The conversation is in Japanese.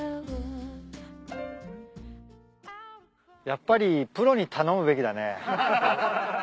やっぱりプロに頼むべきだね。